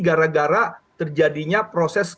gara gara terjadinya proses